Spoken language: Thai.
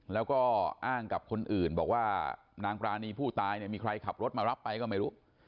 แล้วก็อ้างกับคนอื่นบอกว่านางปรานีผู้ตายเนี่ยมีใครขับรถมารับไปก็ไม่รู้